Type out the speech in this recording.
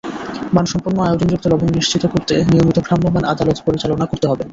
মানসম্পন্ন আয়োডিনযুক্ত লবণ নিশ্চিত করতে নিয়মিত ভ্রাম্যমাণ আদালত পরিচালনা করতে হবে।